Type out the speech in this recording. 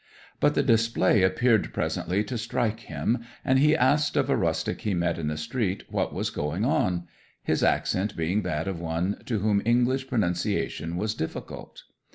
'But the display appeared presently to strike him, and he asked of a rustic he met in the street what was going on; his accent being that of one to whom English pronunciation was difficult.